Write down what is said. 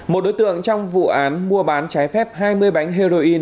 một đối tượng trong vụ án mua bán trái phép hai mươi bánh heroin